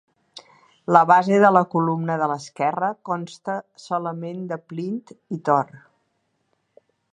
La base de la columna de l'esquerra consta solament de plint i tor.